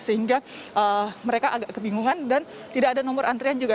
sehingga mereka agak kebingungan dan tidak ada nomor antrian juga